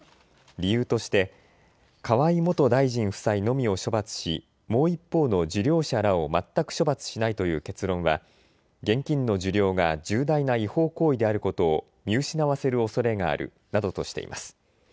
理由として河井元大臣夫妻のみを処罰し、もう一方の受領者らを全く処罰しないという結論は、現金の受領が重大な違法行為であることを見失わせるおそれがあるなどとしています。